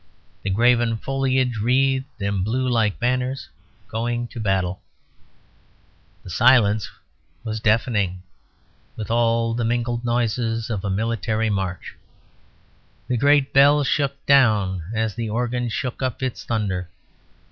The graven foliage wreathed and blew like banners going into battle; the silence was deafening with all the mingled noises of a military march; the great bell shook down, as the organ shook up its thunder.